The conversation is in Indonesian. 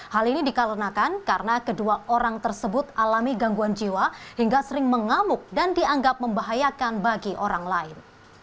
hal ini dikarenakan karena kedua orang tersebut alami gangguan jiwa hingga sering mengamuk dan dianggap membahayakan bagi orang lain